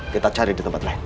kita cari di tempat lain